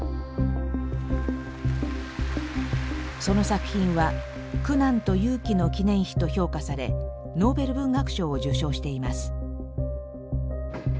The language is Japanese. その作品は「苦難と勇気の記念碑」と評価されノーベル文学賞を受賞しています。